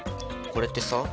これってさ。